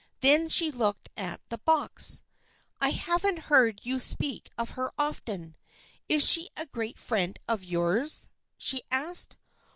Then she looked at the box. " I haven't heard you speak of her often. Is she a great friend of yours ?" she asked.